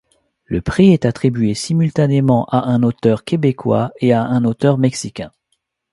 Le prix est attribué simultanément à un auteur québécois et à un auteur mexicain.